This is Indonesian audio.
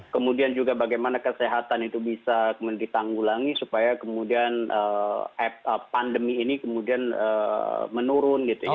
kemudian juga bagaimana kesehatan itu bisa ditanggulangi supaya kemudian pandemi ini kemudian menurun gitu ya